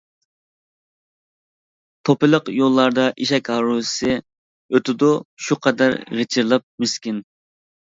توپىلىق يوللاردا ئېشەك ھارۋىسى، ئۆتىدۇ شۇ قەدەر غىچىرلاپ مىسكىن.